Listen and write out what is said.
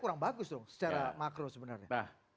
kurang bagus dong secara makro sebenarnya